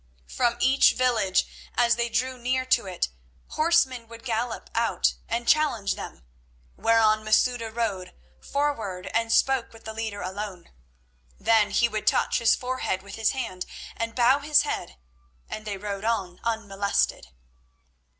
From each village, as they drew near to it, horsemen would gallop out and challenge them, whereon Masouda rode forward and spoke with the leader alone. Then he would touch his forehead with his hand and bow his head and they rode on unmolested.